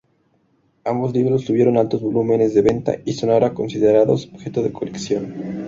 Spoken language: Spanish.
Ambos libros tuvieron altos volúmenes de venta y son ahora considerados objetos de colección.